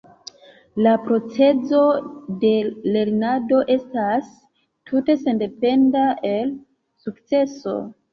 La procezo de lernado estas tute sendependa el sukceso.